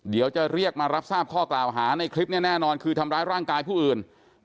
เดี๋ยวจะเรียกมารับทราบข้อกล่าวหาในคลิปนี้แน่นอนคือทำร้ายร่างกายผู้อื่น